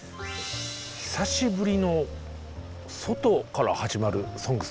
久しぶりの外から始まる「ＳＯＮＧＳ」でございますね。